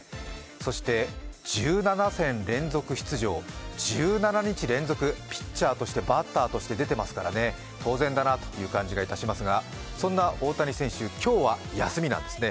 そして１７戦連続出場、１７日連続ピッチャーとして、バッターとして出ていますからね、当然だなという感じがいたしますがそんな大谷選手、今日は休みなんですね。